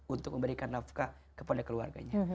untuk memberikan nafkah kepada keluarganya